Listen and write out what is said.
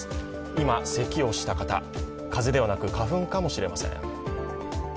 今、せきをした方、風邪ではなく花粉かもしれません。